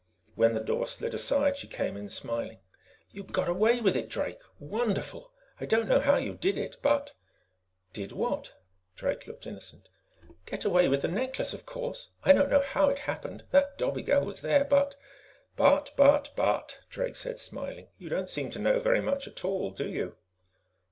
When the door slid aside, she came in, smiling. "You got away with it, Drake! Wonderful! I don't know how you did it, but " "Did what?" Drake looked innocent. "Get away with the necklace, of course! I don't know how it happened that Dobigel was there, but " "But, but, but," Drake said, smiling. "You don't seem to know very much at all, do you?"